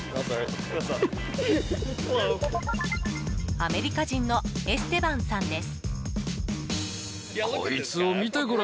アメリカ人のエステバンさんです。